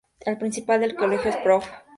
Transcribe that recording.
El principal del colegio es Prof.